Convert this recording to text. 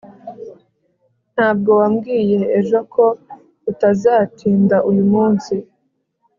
ntabwo wambwiye ejo ko utazatinda uyu munsi